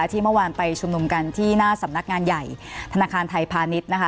ที่เมื่อวานไปชุมนุมกันที่หน้าสำนักงานใหญ่ธนาคารไทยพาณิชย์นะคะ